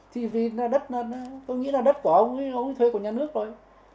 chỉ vì đất này tôi nghĩ là đất của ông ấy ông ấy thuê của nhà nước thôi